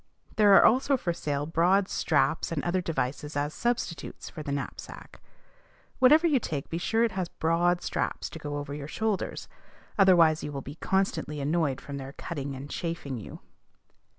There are also for sale broad straps and other devices as substitutes for the knapsack. Whatever you take, be sure it has broad straps to go over your shoulders: otherwise you will be constantly annoyed from their cutting and chafing you.